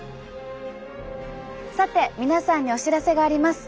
さて皆さんにお知らせがあります。